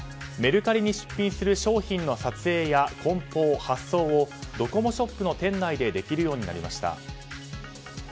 メルカリに出品する商品の撮影や梱包、発送をドコモショップの店内でできるようになりました。